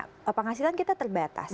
apakah hasilnya kita terbatas